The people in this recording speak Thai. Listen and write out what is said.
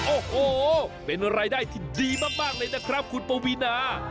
โอ้โหเป็นรายได้ที่ดีมากเลยนะครับคุณปวีนา